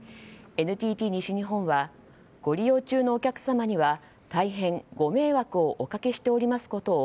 ＮＴＴ西日本はご利用中のお客様には大変ご迷惑をおかけしておりますことを